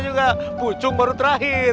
juga pucung baru terakhir